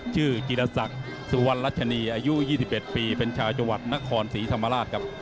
ชื่อจิรัสสักสุวรรณรัชนีอายุ๒๑ปีเป็นชาวจัวรรค์นครศรีธรรมราชครับ